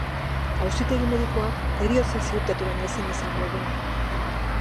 Auzitegi-medikuak heriotza ziurtatu baino ezin izan du egin.